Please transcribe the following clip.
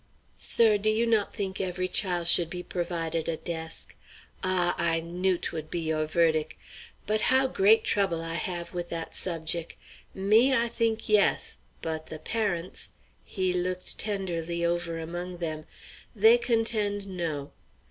Sir, do you not think every chile should be provided a desk? Ah! I knew 'twould be yo' verdic'. But how great trouble I have with that subjec'! Me, I think yes; but the parents," he looked tenderly over among them, "they contend no.